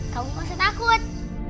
kamu gak usah takut